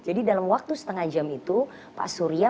jadi dalam waktu setengah jam itu pak surya